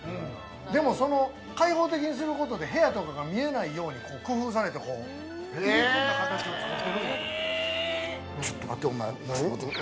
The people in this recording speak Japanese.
でも、開放的にすることで、部屋とかが見えないように工夫されて、入り組んだ形を作っているんやと思う。